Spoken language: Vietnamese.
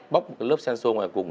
bóc lớp sensor ngoài cùng